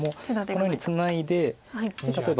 このようにツナいで例えば。